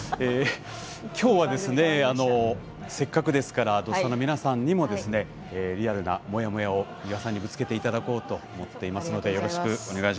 きょうはせっかくですから「土スタ」の皆さんにもリアルな思いをぶつけていただこうと思います。